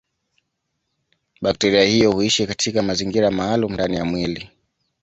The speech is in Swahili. Bakteria hiyo huishi katika mazingira maalumu ndani ya mwili.